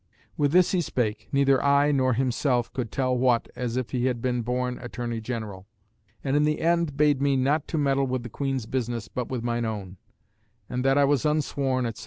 _' "With this he spake, neither I nor himself could tell what, as if he had been born Attorney General; and in the end bade me not meddle with the Queen's business, but with mine own; and that I was unsworn, etc.